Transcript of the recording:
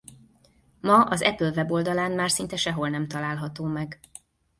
Ma az Apple weboldalán már szinte sehol nem található meg.